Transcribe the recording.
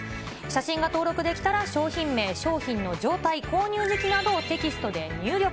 写真が登録できたら商品名、商品の状態、購入時期などをテキストで入力。